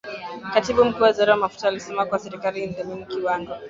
Katibu Mkuu wa Wizara ya Mafuta alisema kuwa serikali inatathmini kiwango